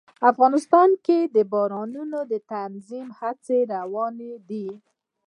افغانستان کې د بارانونو د تنظیم هڅې روانې دي.